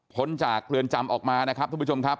จากเรือนจำออกมานะครับทุกผู้ชมครับ